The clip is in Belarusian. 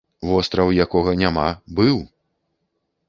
Востраў, якога няма, быў!